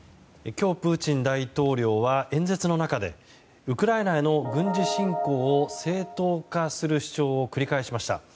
今日、プーチン大統領は演説の中でウクライナへの軍事支援を正当化する主張を繰り返しました。